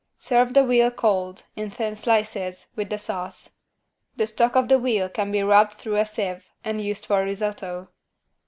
Serve the veal cold, in thin slices, with the sauce. The stock of the veal can be rubbed through a sieve and used for risotto.